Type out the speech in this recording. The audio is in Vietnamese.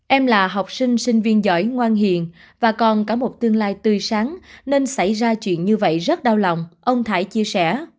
em là học sinh sinh viên giỏi ngoan hiền và còn cả một tương lai tươi sáng nên xảy ra chuyện như vậy rất đau lòng ông thả chia sẻ